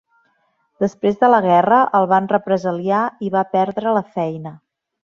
Després de la guerra el van represaliar i va perdre la feina.